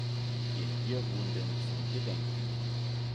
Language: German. Den hier Ruhenden zum Gedenken.